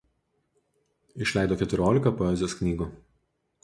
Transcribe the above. Išleido keturiolika poezijos knygų.